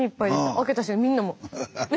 開けたらみんなもう。